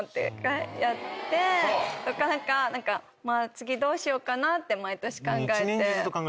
次どうしようかな？って毎年考えて。